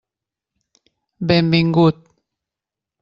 Benvingut!